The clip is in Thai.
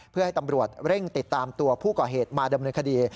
เพื่อให้ตำรวจเร่งติดตามตัวผู้ก่อเหตุมาดำเนินคดี